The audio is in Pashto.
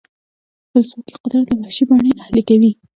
ولسواکي قدرت له وحشي بڼې اهلي کوي.